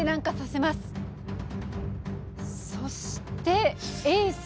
そしてエース